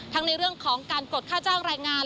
ทั้งในเรื่องของการกดค่าจ้างแรงงาน